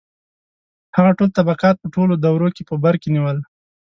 • هغه ټول طبقات په ټولو دورو کې په بر کې نیول.